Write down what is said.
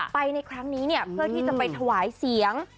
ในครั้งนี้เนี่ยเพื่อที่จะไปถวายเสียง